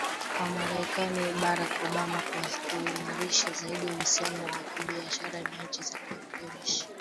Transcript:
wa marekani barack obama kuimarisha zaidi uhusiano wa kibiashara na nchi ya indonesia